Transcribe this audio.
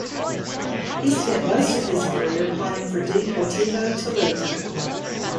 He spent most of his career playing for Deportivo Toluca.